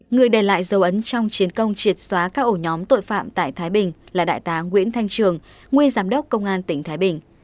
người để lại dấu ấn trong chiến công triệt xóa các ổ nhóm tội phạm tại thái bình là đại tá nguyễn thanh trường nguyên giám đốc công an tỉnh thái bình